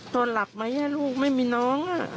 นอนหลับไหมลูกไม่มีน้อง